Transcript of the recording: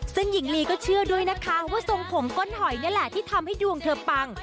ซึ่งหญิงลีก็เชื่อด้วยนะคะว่าทรงผมก้นหอยนี่แหละที่ทำให้ดวงเธอปัง